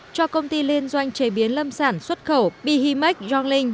cho công ty liên doanh chế biến lâm sản xuất khẩu bihimex jonglin